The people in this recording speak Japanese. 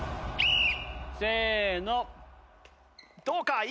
どうか？